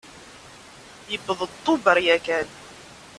Yewweḍ-d Tubeṛ yakan.